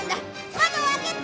窓を開けて！